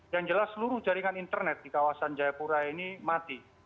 yang jelas seluruh jaringan internet di kawasan jayapura ini mati